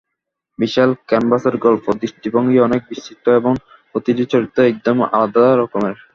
বিশাল ক্যানভাসের গল্প, দৃষ্টিভঙ্গি অনেক বিস্তৃত এবং প্রতিটি চরিত্রই একদম আলাদা রকমের।